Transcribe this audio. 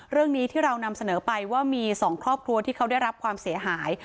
เรื่องนี้ที่เรานำเสนอไปว่ามี๒ครอบครัวที่เขาได้รับความเสียหาย